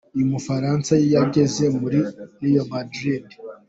Uyu Mufaransa yageze muri Real M.